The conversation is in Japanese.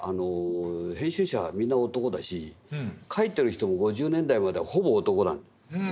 編集者はみんな男だし描いてる人も５０年代まではほぼ男なの。